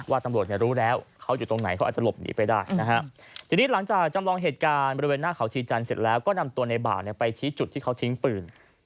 ตำรวจเนี่ยรู้แล้วเขาอยู่ตรงไหนเขาอาจจะหลบหนีไปได้นะฮะทีนี้หลังจากจำลองเหตุการณ์บริเวณหน้าเขาชีจันทร์เสร็จแล้วก็นำตัวในบ่าวไปชี้จุดที่เขาทิ้งปืน